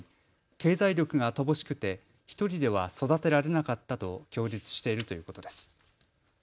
経済力が乏しくて１人では育てられなかったと供述しているということです。